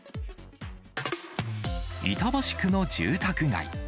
板橋区の住宅街。